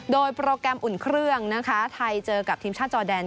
โดยโปรแกรมอุ่นเครื่องนะคะไทยเจอกับทีมชาติจอแดน